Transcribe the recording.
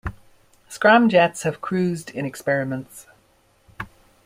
Scramjets have cruised in experiments.